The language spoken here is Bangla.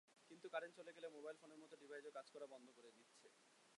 কিন্তু কারেন্ট চলে গেলে মোবাইল ফোনের মত ডিভাইসও কাজ করা বন্ধ করে দিচ্ছে।